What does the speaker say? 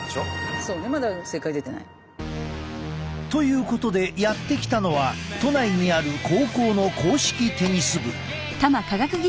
そうねまだ正解出てない。ということでやって来たのは都内にある高校の硬式テニス部。